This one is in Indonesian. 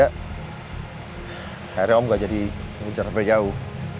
akhirnya om gak jadi mengejar lebih jauh